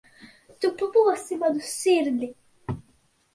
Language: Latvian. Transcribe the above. Tu plosi manu sirdi.